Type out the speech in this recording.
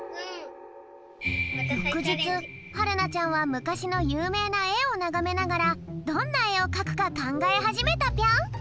よくじつはるなちゃんはむかしのゆうめいなえをながめながらどんなえをかくかかんがえはじめたぴょん。